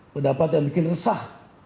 pendapat yang bikin resah